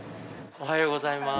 おはようございます。